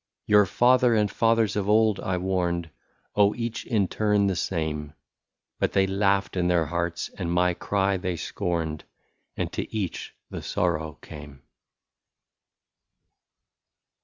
" Your father and fathers of old I warned, — Oh ! each in turn the same ; But they laughed in their hearts and my cry they scorned. And to each the sorrow came."